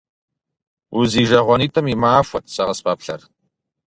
УзижагъуэнитӀым и махуэт сэ къыспэплъэр.